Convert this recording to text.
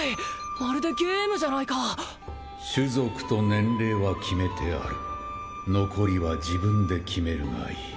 まるでゲームじゃないか種族と年齢は決めてある残りは自分で決めるがいい